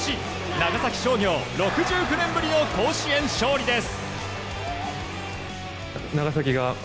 長崎商業６９年ぶりの甲子園勝利です。